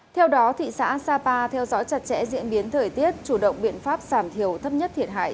theo đó thị xã sapa theo dõi chặt chẽ diễn biến thời tiết chủ động biện pháp giảm thiểu thấp nhất thiệt hại